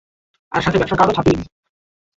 আর সাথে ব্যবসার কার্ডও ছাপিয়ে নিবি।